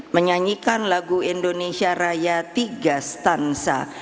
menyanyikan lagu indonesia raya tiga stansa